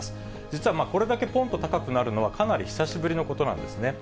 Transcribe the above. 実はこれだけぽんと高くなるのは、かなり久しぶりのことなんですね。